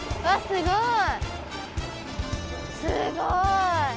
すごい！